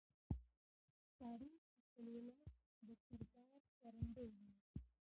تاریخ د خپل ولس د کردار ښکارندوی دی.